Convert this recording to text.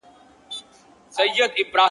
د خپل ژوند په يوه خړه آئينه کي.